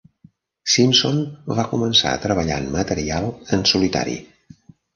Simpson va començar a treballar en material en solitari.